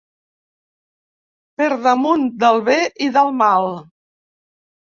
Per damunt del bé i del mal.